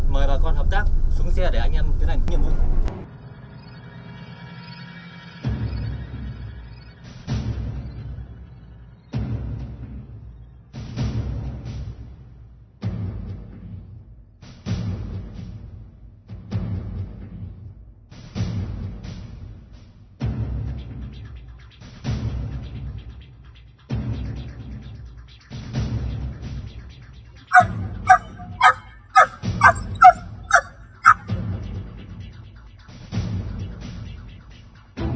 mọi người đã vào vị trí chưa